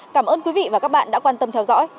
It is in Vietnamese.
cảm ơn quý vị và các bạn đã quan tâm theo dõi